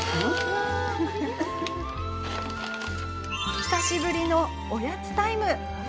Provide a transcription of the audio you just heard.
久しぶりのおやつタイム。